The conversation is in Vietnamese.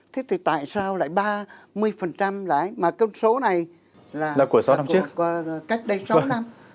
thế thì tại sao lại ba mươi lái mà con số này là của cách đây sáu năm